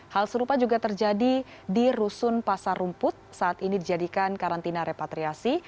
hal serupa juga terjadi di rusun pasar rumput saat ini dijadikan karantina repatriasi